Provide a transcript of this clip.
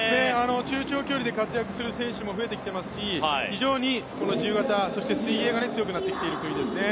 中・長距離で活躍する選手も増えてきていますし、非常にこの自由形、そして水泳が強くなってきている国ですね。